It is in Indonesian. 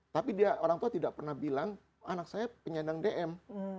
tapi dia orang tua tidak pernah bilang anak saya penyandang dm